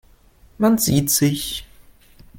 Man sieht sich.